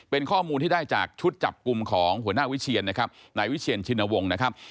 เป็นข้อมูลที่ได้จากชุดจับกลุ่มของหัวหน้าวิเชียนนะครับนายวิเชียนชินวงศ์นะครับ